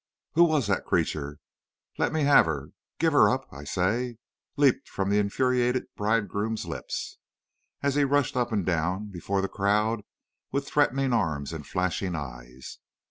"'Who was that creature? Let me have her! Give her up, I say!' leaped from the infuriated bridegroom's lips, as he rushed up and down before the crowd with threatening arms and flashing eyes.